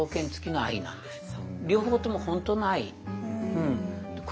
両方とも本当の愛。